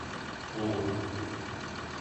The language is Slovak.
Búr